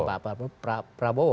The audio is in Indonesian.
mengusung pak prabowo